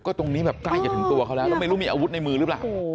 ตรงนี้แบบใกล้จะถึงตัวเขาแล้วแล้วไม่รู้มีอาวุธในมือหรือเปล่า